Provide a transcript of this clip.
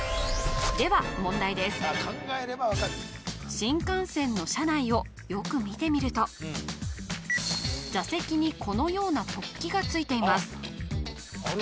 新幹線の車内をよく見てみると座席にこのような突起がついています